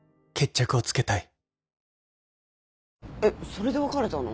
それで別れたの？